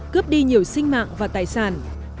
cướp đi nhiều sinh mạng và tài sản